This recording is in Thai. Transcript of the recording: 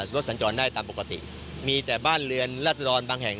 สัญจรได้ตามปกติมีแต่บ้านเรือนรัศดรบางแห่ง